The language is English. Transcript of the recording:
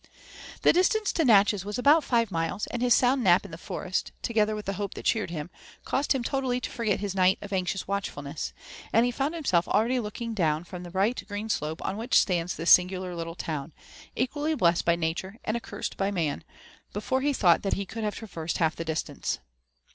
The distance to Natchez was about five miles ; and his sound nap in the forest, together with the hope that cheered him, caused him totally to forget his night of anxious watchfulness, and he found himself already looking down from the bright green slope on which stands this singular little town, equally blessed by nature and accursed by man, before he thought that he could have traversed half the distance.